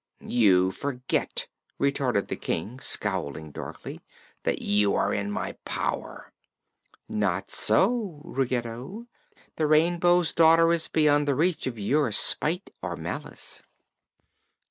"You forget," retorted the King, scowling darkly, "that you also are in my power." "Not so, Ruggedo. The Rainbow's Daughter is beyond the reach of your spite or malice."